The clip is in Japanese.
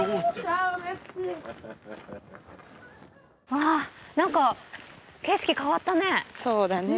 ああ何か景色変わったね。